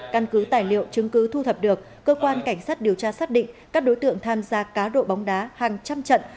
căn cứ tài liệu chứng cứ thu thập được cơ quan cảnh sát điều tra xác định các đối tượng tham gia cá độ bóng đá hàng trăm trận